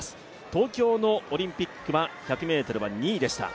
東京オリンピックは１００ｍは２位でした。